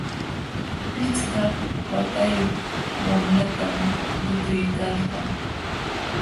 Pishqa watayuq wamlatam lutuykalkan.